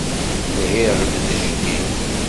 Lhiɣ-d d jeddi.